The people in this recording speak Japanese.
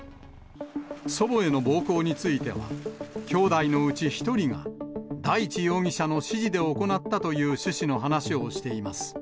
祖母への暴行については、きょうだいのうち１人が、大地容疑者の指示で行ったという趣旨の話をしています。